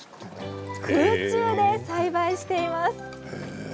空中で栽培しています。